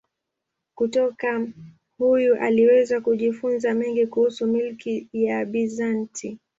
Kutoka huyu aliweza kujifunza mengi kuhusu milki ya Bizanti.